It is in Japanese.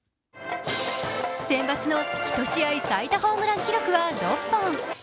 センバツの１試合最多ホームラン記録は６本。